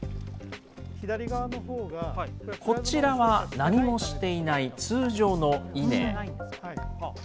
こちらは何もしていない通常の稲。